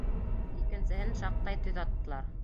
Икенсеһен шаҡтай төҙ аттылар.